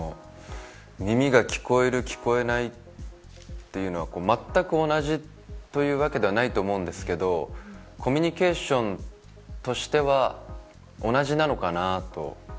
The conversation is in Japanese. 耳が聞こえる、聞こえないというのは、まったく同じというわけではないと思うんですけどコミュニケーションとしては同じなのかなと。